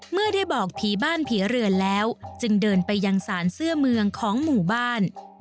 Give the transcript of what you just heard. เมื่อได้บอกผีบ้านผีเรือนแล้วจึงเดินไปยังสารเสื้อเมืองของหมู่บ้าน